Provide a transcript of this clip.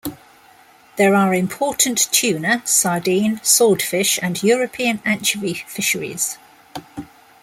There are important tuna, sardine, swordfish and European anchovy fisheries.